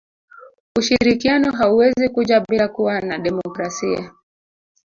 ushirikiano hauwezi kuja bila kuwa na demokrasia